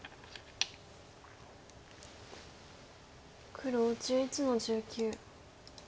黒１１の十九。